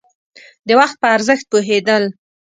د وخت په ارزښت پوهېدل.